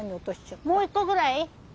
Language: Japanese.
もう一個ぐらい？